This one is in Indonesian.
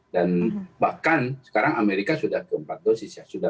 dan bahkan sekarang amerika sudah ke empat dosis ya